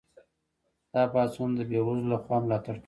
دا پاڅون د بې وزلو لخوا ملاتړ کیده.